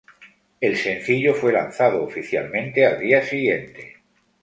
El sencillo fue lanzado oficialmente al día siguiente.